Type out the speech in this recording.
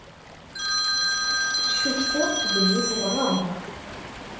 Ccukteɣ-tt belli tewεer.